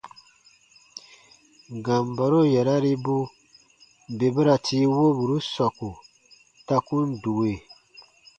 Gambaro yararibu bè ba ra tii woburu sɔku ta kun due.